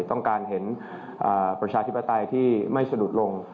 ต้องการเห็นประชาธิปไตยที่ไม่สะดุดลง